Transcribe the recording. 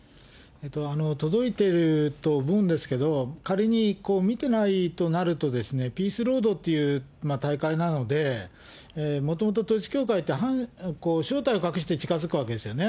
届いていると思うんですけど、仮に見てないとなると、ピースロードっていう大会なので、もともと統一教会って、正体を隠して近づくわけですよね。